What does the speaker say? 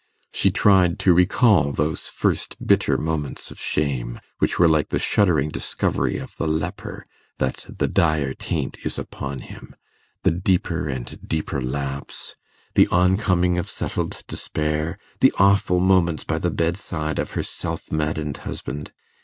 She tried to recall those first bitter moments of shame, which were like the shuddering discovery of the leper that the dire taint is upon him; the deeper and deeper lapse; the on coming of settled despair; the awful moments by the bedside of her self maddened husband.